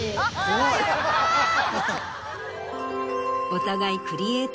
お互い。